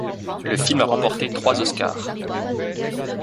Le film a remporté trois Oscars.